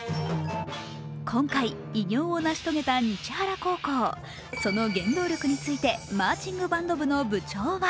今回、偉業を成し遂げた西原高校、その原動力についてマーチングバンド部の部長は